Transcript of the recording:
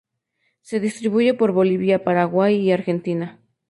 Se distribuye por Bolivia, Paraguay, y Argentina.